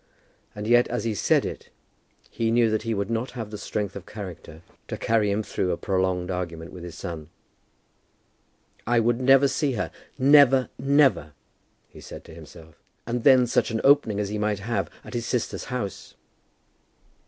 And yet as he said it, he knew that he would not have the strength of character to carry him through a prolonged quarrel with his son. "I never would see her, never, never!" he said to himself. "And then such an opening as he might have at his sister's house."